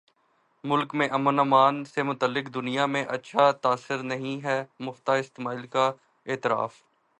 ملک میں امن امان سے متعلق دنیا میں اچھا تاثر نہیں ہے مفتاح اسماعیل کا اعتراف